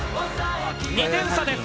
２点差です。